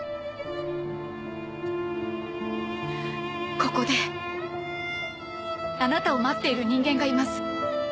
ここであなたを待っている人間がいます。